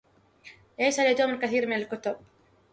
ليس لتوم الكثير من الكتب.